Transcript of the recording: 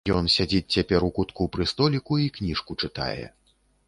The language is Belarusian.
Ён сядзіць цяпер у кутку пры століку і кніжку чытае.